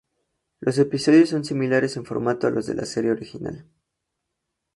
Los episodios son similares en formato a los de la serie original.